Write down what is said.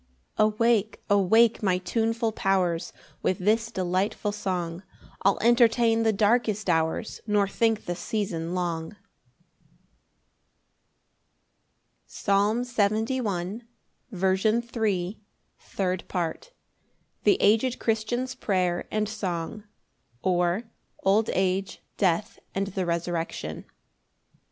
7 Awake, awake my tuneful powers; With this delightful song I'll entertain the darkest hours, Nor think the season long.] Psalm 71:3. 17 21. Third Part. The aged Christian's prayer and song; or, Old age, death, and the resurrection.